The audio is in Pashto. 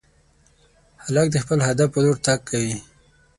هلک د خپل هدف په لور تګ کوي.